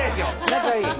仲いい。